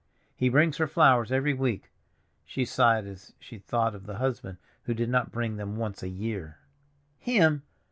"He brings her flowers every week." She sighed as she thought of the husband who did not bring them once a year. "Him!